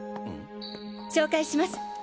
紹介します。